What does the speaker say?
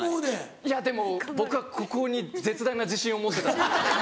いやでも僕はここに絶大な自信を持ってたんですよ。